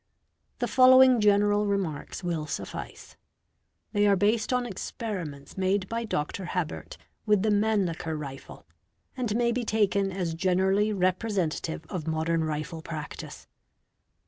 The following general remarks will suffice. They are based on ex — periments made by Dr. Habert with the Mannlicher Rifle, and may be — taken as generally representative of modern rifle practice.